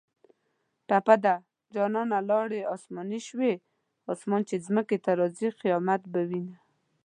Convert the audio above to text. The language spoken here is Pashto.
ټپه ده: جانانه لاړې اسماني شوې اسمان چې ځمکې ته راځۍ قیامت به وینه